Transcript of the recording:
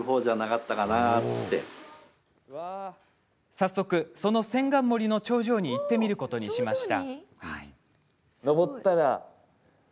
早速、その千貫森の頂上に行ってみることにしました。